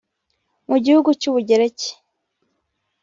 Mu gihugu cy’u Bugereki